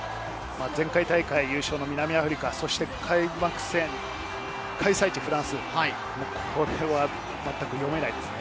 前回大会優勝の南アフリカ、開催地・フランス、これはまったく読めないですね。